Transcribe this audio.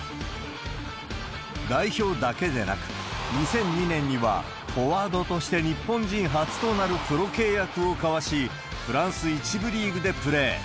代表だけでなく、２００２年にはフォワードとして日本人初となるプロ契約を交わし、フランス１部リーグでプレー。